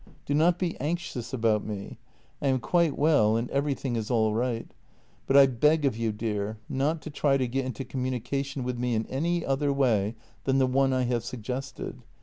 Do not be anxious about me. I am quite JENNY 241 well and everything is all right, but I beg of you, dear, not to try to get into communication with me in any other way than the one I have suggested.